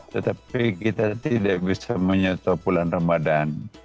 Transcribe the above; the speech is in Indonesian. tetapi kita tidak bisa menyentuh bulan ramadhan